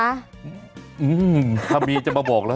อื้อหือถ้ามีจะมาบอกแล้ว